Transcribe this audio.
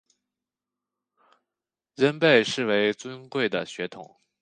仍被視為尊貴的血統